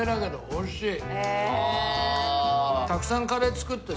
おいしい！